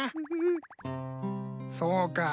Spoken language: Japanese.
そうか。